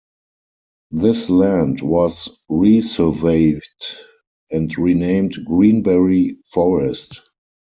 This land was resurveyed and renamed "Greenberry Forest".